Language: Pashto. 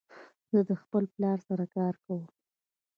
زه د خپل پلار سره کار کوم.